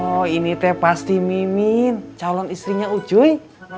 oh ini teh pasti mimin calon istrinya ujoy